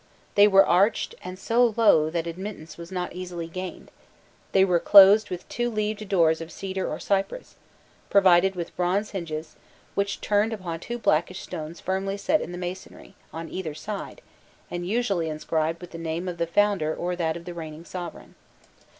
They were arched and so low that admittance was not easily gained; they were closed with two leaved doors of cedar or cypress, provided with bronze hinges, which turned upon two blackish stones firmly set in the masonry on either side, and usually inscribed with the name of the founder or that of the reigning sovereign.